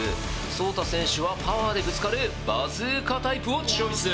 そうた選手はパワーでぶつかるバズーカタイプをチョイス！